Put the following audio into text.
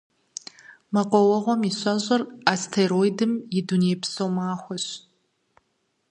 Мэкъуауэгъуэм и щэщIыр Астероидым и дунейпсо махуэщ.